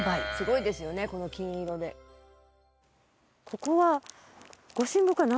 ここは。